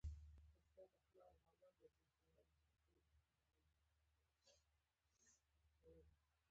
په سترګو کې یې اوښکې راغلې.